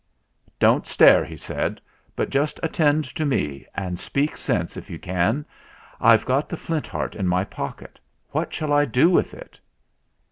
"Don't stare," he said, "but just attend to me, and speak sense if you can. I've got the Flint Heart in my pocket. What shall I do with it?"